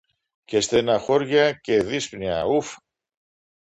Και στενοχώρια και δύσπνοια, ουφ